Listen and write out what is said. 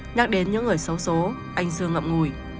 nhắc đến những người xấu xố anh dương ngậm ngùi